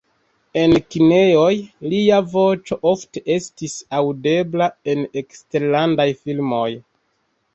En kinejoj lia voĉo ofte estis aŭdebla en eksterlandaj filmoj.